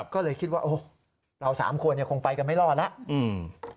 ก็เลยคิดว่าเราสามคนคงไปกันไม่รอดแล้ว